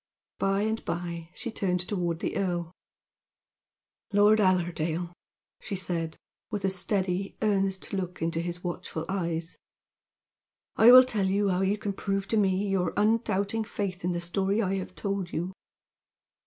By and by she turned toward the earl. "Lord Allerdale," she said, with a steady, earnest look into his watchful eyes, "I will tell you how you can prove to me your undoubting faith in the story I have told you.